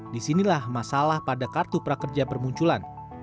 disinilah masalah pada kartu prakerja bermunculan